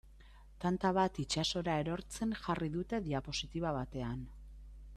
Tanta bat itsasora erortzen jarri dute diapositiba batean.